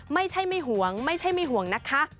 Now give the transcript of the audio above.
ไม่ใช่ไม่ห่วงไม่ใช่ไม่ห่วงนะคะ